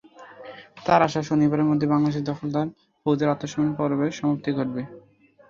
তাঁর আশা, শনিবারের মধ্যেই বাংলাদেশে দখলদার ফৌজের আত্মসমর্পণ পর্বের সমাপ্তি ঘটবে।